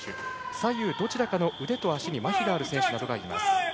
左右どちらかの腕にまひがある選手などがいます。